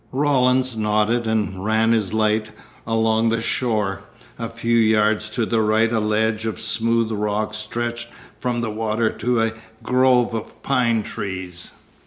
Rawlins nodded and ran his light along the shore. A few yards to the right a ledge of smooth rock stretched from the water to a grove of pine trees.